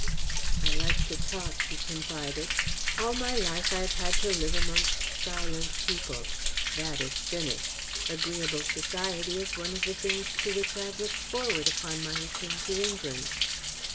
"I like to talk," he confided. "All my life I have had to live amongst silent people. That is finished. Agreeable society is one of the things to which I have looked forward upon my return to England."